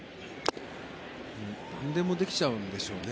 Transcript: なんでもできちゃうんでしょうね。